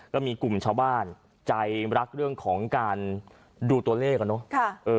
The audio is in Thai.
ก็มีกลุ่มชาวบ้านใจรักเรื่องของการดูตัวเลขอ่ะเนอะ